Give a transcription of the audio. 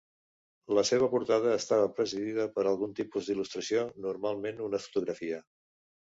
La seva portada estava presidida per algun tipus d'il·lustració, normalment una fotografia.